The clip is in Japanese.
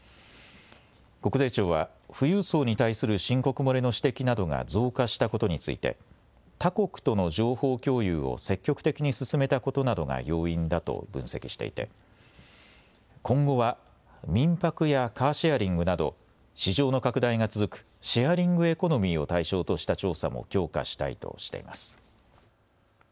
国税庁は富裕層に対する申告漏れの指摘などが増加したことについて、他国との情報共有を積極的に進めたことなどが要因だと分析していて今後は民泊やカーシェアリングなど市場の拡大が続くシェアリングエコノミーを対象とした調査も強化したいとしています。